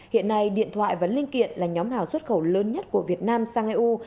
hiện nay điện thoại và linh kiện là nhóm hàng xuất khẩu lớn nhất của việt nam sang eu